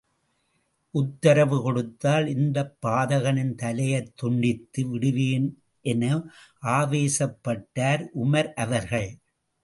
உத்தரவு கொடுத்தால், இந்தப் பாதகனின் தலையைத் துண்டித்து விடுவேன் என ஆவேசப்பட்டார் உமர் அவர்கள்.